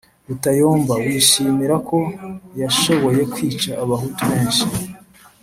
Rutayomba, wishimira ko yashoboye kwica Abahutu benshi,